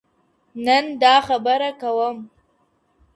نن داخبره كوم